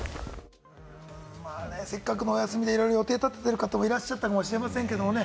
せっかくのお休みでいろいろ予定を立ててる方もいらっしゃったかもしれませんけれどもね。